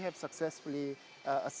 kami sudah berhasil